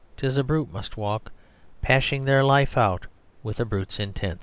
'tis a brute must walk Pashing their life out, with a brute's intents."